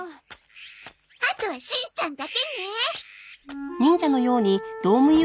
あとはしんちゃんだけね。